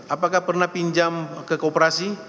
apakah pernah pinjam ke kooperasi